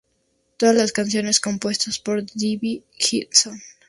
Todas las canciones compuestas por Debbie Gibson.